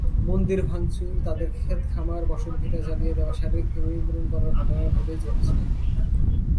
মন্দির ভাঙচুর, তাদের খেতখামার-বসতভিটা জ্বালিয়ে দেওয়া, শারীরিকভাবে নিপীড়ন করার ঘটনা ঘটেই চলেছে।